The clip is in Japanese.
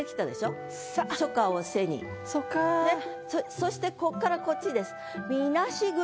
そしてこっからこっちです。